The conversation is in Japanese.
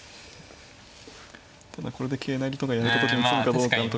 ただこれで桂成りとかやられた時に詰むかどうかとか。